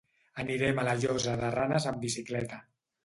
Anirem a la Llosa de Ranes amb bicicleta.